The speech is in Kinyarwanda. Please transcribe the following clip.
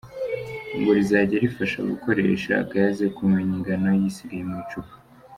Ngo rizajya rifasha abakoresha Gas kumenya ingano y’isigaye mu gicupa.